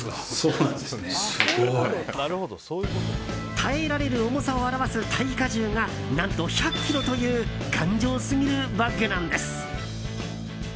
耐えられる重さを表す耐荷重が何と１００ｋｇという頑丈すぎるバッグなんです。